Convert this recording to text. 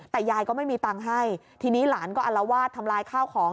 แต่ยายก็ไม่มีตังค์ให้ทีนี้หลานก็อลวาดทำลายข้าวของ